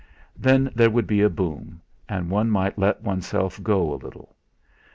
Then there would be a boom, and one might let oneself go a little.